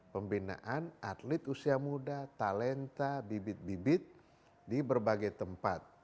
pembinaan atlet usia muda talenta bibit bibit di berbagai tempat